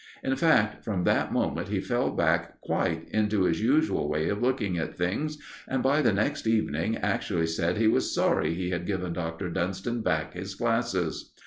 In fact, from that moment he fell back quite into his usual way of looking at things, and, by the next evening, actually said he was sorry he had given Dr. Dunston back his glasses.